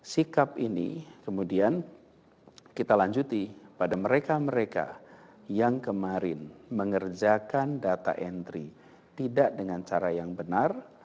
sikap ini kemudian kita lanjuti pada mereka mereka yang kemarin mengerjakan data entry tidak dengan cara yang benar